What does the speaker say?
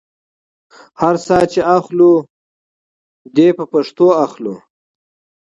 هر ساه چې اخلو دې په پښتو اخلو.